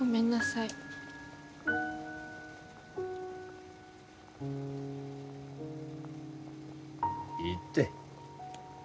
いいって。